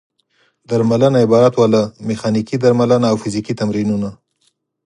درملنه عبارت وه له: میخانیکي درملنه او فزیکي تمرینونه.